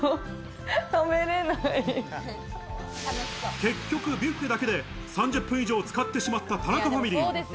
結局ビュッフェだけで３０分以上、使ってしまった田中ファミリー。